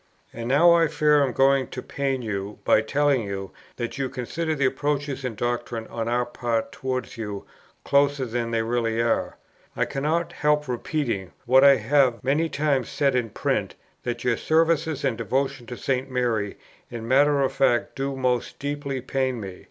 "And now I fear I am going to pain you by telling you, that you consider the approaches in doctrine on our part towards you, closer than they really are. I cannot help repeating what I have many times said in print, that your services and devotions to St. Mary in matter of fact do most deeply pain me.